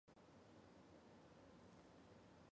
俪玛在密西根州底特律出生和长大。